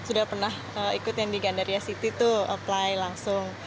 sudah pernah ikut yang di gandaria city tuh apply langsung